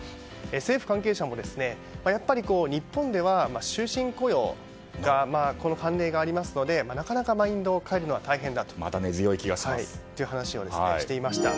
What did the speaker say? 政府関係者もやっぱり日本では終身雇用の慣例がありますのでなかなかマインドを変えるのは大変だという話をしていました。